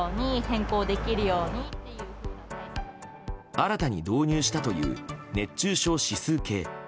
新たに導入したという熱中症指数計。